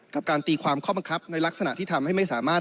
กับการตีความข้อบังคับในลักษณะที่ทำให้ไม่สามารถ